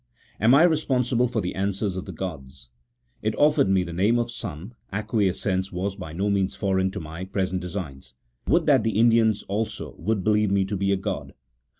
Am I re sponsible for the answers of the gods ? It offered me the name of son ; acquiescence was by no means foreign to my present designs. Would that the Indians also would be lieve me to be a god